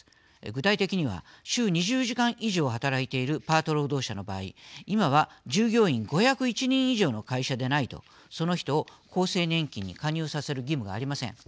具体的には週２０時間以上働いているパート労働者の場合今は、従業員５０１人以上の会社でないとその人を厚生年金に加入させる義務がありません。